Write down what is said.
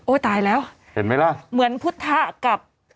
ตายแล้วเห็นไหมล่ะเหมือนพุทธกับ